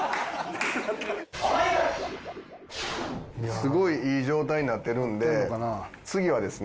すごいいい状態になってるんで次はですね